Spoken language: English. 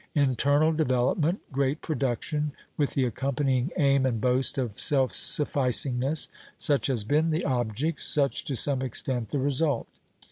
Internal development, great production, with the accompanying aim and boast of self sufficingness, such has been the object, such to some extent the result.